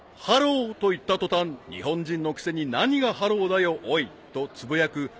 ［ハローと言った途端「日本人のくせに何がハローだよおい」とつぶやく